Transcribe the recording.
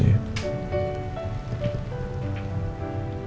ya mau gimana